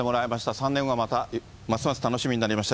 ３年後がまたますます楽しみになりました。